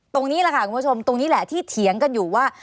ตรงนี้แหละค่ะคุณผู้ชมตรงนี้แหละที่เถียงกันอยู่ว่า